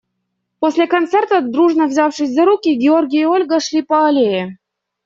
После концерта, дружно взявшись за руки, Георгий и Ольга шли по аллее.